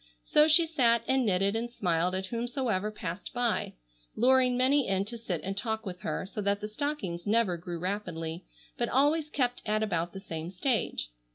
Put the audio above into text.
So she sat and knitted and smiled at whomsoever passed by, luring many in to sit and talk with her, so that the stockings never grew rapidly, but always kept at about the same stage.